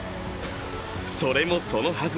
それもそのはず。